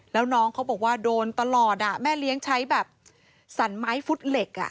แล้วน้องเขาบอกว่าโดนตลอดแม่เลี้ยงใช้แบบสั่นไม้ฟุตเหล็ก